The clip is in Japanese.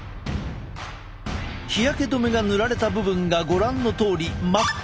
日焼け止めが塗られた部分がご覧のとおり真っ黒に見える。